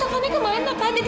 taufannya kemarin tak hadir